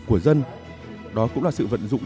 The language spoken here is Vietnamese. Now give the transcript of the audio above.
của dân đó cũng là sự vận dụng